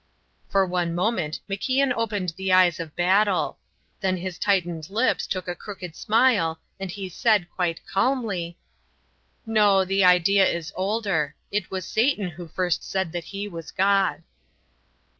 For one instant MacIan opened the eyes of battle; then his tightened lips took a crooked smile and he said, quite calmly: "No, the idea is older; it was Satan who first said that he was God."